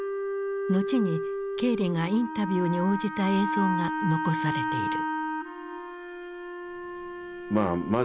後にケーリがインタビューに応じた映像が残されている。